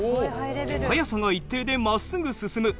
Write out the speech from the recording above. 速さが一定で真っすぐ進む。